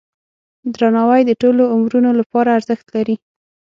درناوی د ټولو عمرونو لپاره ارزښت لري.